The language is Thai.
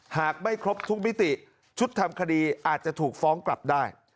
หากไม่ครบทุกมิติชุดทำคดีอาจจะถูกฟ้องกลับได้